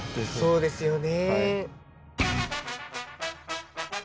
そうですよね。